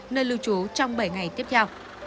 nơi lưu trú trong bảy ngày tiếp theo